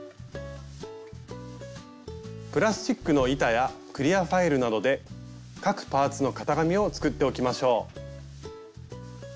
プラスチックの板やクリアファイルなどで各パーツの型紙を作っておきましょう。